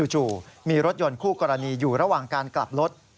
จู่มีรถยนต์คู่กรณีอยู่ระหว่างการกลับรถ